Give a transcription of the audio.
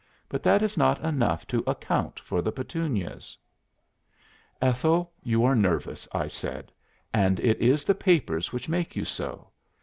But that is not enough to account for the Petunias.'" "'Ethel, you are nervous,' I said. 'And it is the papers which make you so.